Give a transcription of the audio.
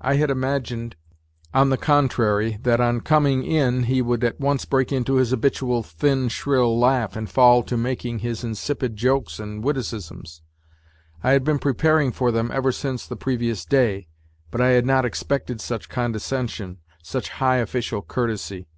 I had imagined, 106 NOTES FROM UNDERGROUND on the contrary, that on coming in he would at once break into his habitual thin, shrill laugh and fall to making his insipid jokes and witticisms. I had been preparing for them ever since the previous day, but I had not expected such condescension, such high official courtesy.